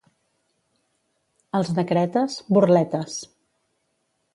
Els de Cretes, burletes.